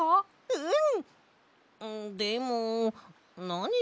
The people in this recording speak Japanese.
うん。